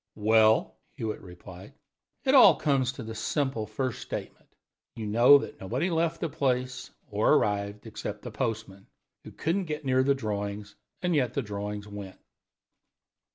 "Well," Hewitt replied, "it all comes to the simple first statement. You know that nobody left the place or arrived, except the postman, who couldn't get near the drawings, and yet the drawings went.